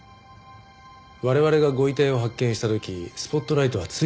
我々がご遺体を発見した時スポットライトはついてました。